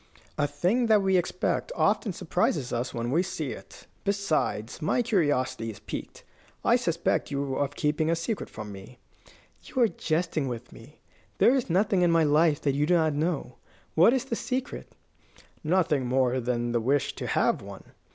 "A thing that we expect often surprises us when we see it. Besides, my curiosity is piqued. I suspect you of keeping a secret from me." "You are jesting with me. There is nothing in my life that you do not know. What is the secret?" "Nothing more than the wish to have one.